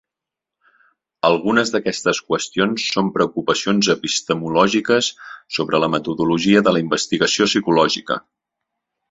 Algunes d'aquestes qüestions són preocupacions epistemològiques sobre la metodologia de la investigació psicològica.